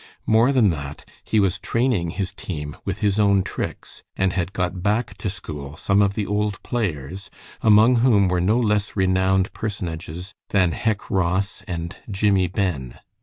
More than that, he was training his team with his own tricks, and had got back to school some of the old players, among whom were no less renowned personages than Hec Ross and Jimmie "Ben."